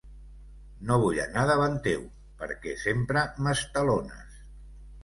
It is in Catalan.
No vull anar davant teu perquè sempre m'estalones.